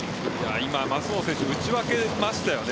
今、舛本選手打ち分けましたよね。